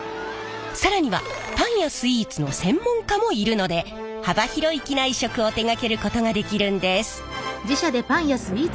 更にはパンやスイーツの専門家もいるので幅広い機内食を手がけることができるんです。